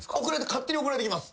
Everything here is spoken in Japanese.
勝手に送られてきます。